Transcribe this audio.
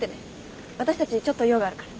私たちちょっと用があるから。